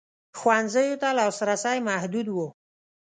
ښوونځیو ته لاسرسی محدود و.